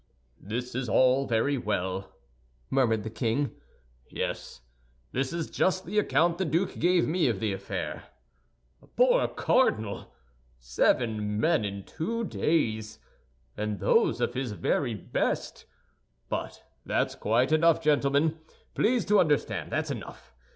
"This is all very well," murmured the king, "yes, this is just the account the duke gave me of the affair. Poor cardinal! Seven men in two days, and those of his very best! But that's quite enough, gentlemen; please to understand, that's enough.